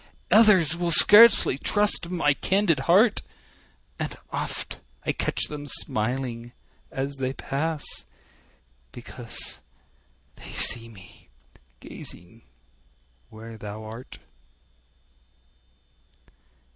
Others will scarcely trust my candid heart; And oft I catch them smiling as they pass, Because they see me gazing where thou art.